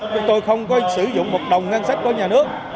chúng tôi không có sử dụng một đồng ngân sách của nhà nước